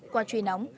quả truy nóng